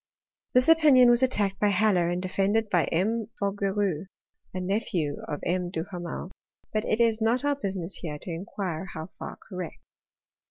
This opinion was attacked by Haller, and defended by M. Fougeroux, nephew of M. Duhamel ; but it is not our businiess here to inquire how far correct.